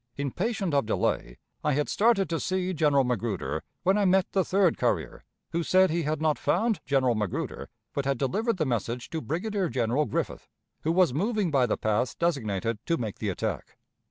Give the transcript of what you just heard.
Impatient of delay, I had started to see General Magruder, when I met the third courier, who said he had not found General Magruder, but had delivered the message to Brigadier General Griffith, who was moving by the path designated to make the attack.